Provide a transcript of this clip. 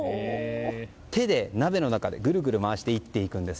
手で、鍋の中でぐるぐる回していくんです。